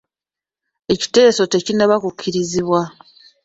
Ekiteeso tekinnaba kukkirizibwa.